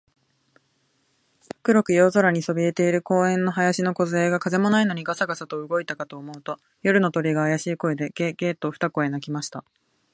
黒く夜空にそびえている公園の林のこずえが、風もないのにガサガサと動いたかと思うと、夜の鳥が、あやしい声で、ゲ、ゲ、と二声鳴きました。